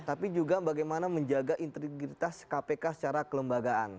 tapi juga bagaimana menjaga integritas kpk secara kelembagaan